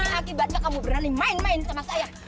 akibatnya kamu berani main main sama saya